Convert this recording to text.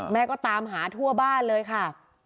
แม่ก็ตามหาทั่วบ้านเลยค่ะ